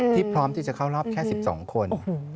พร้อมที่จะเข้ารอบแค่๑๒คน